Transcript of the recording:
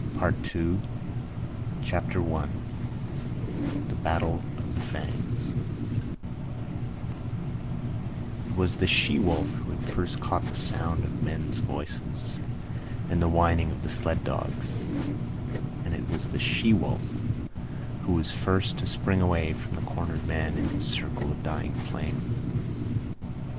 PART II CHAPTER I THE BATTLE OF THE FANGS It was the she wolf who had first caught the sound of men's voices and the whining of the sled dogs; and it was the she wolf who was first to spring away from the cornered man in his circle of dying flame.